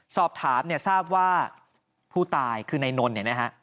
สอบถามเนี่ยทราบว่าผู้ตายคือนายนนท์เนี่ยนะฮะ